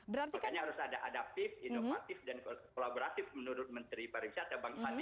berarti harus ada adaptif inovatif dan kolaboratif menurut menteri pariwisata bangkali